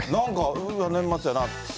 年末やなって。